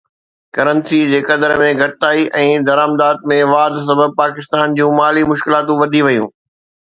currency جي قدر ۾ گهٽتائي ۽ درآمدات ۾ واڌ سبب پاڪستان جون مالي مشڪلاتون وڌي ويون